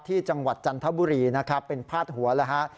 จังหวัดจันทบุรีนะครับเป็นพาดหัวแล้วฮะ